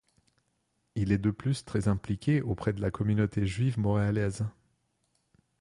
Il est de plus très impliqué auprès de la communauté juive montréalaise.